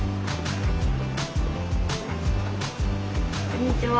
こんにちは。